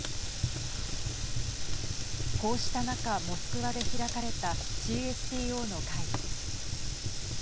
こうした中、モスクワで開かれたＣＳＴＯの会議。